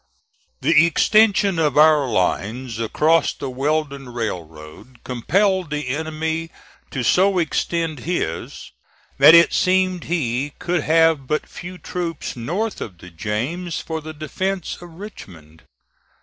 The extension of our lines across the Weldon Railroad compelled the enemy to so extend his, that it seemed he could have but few troops north of the James for the defence of Richmond.